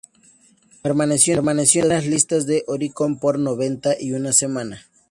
Permaneció en las litas de Oricon por noventa y un semanas.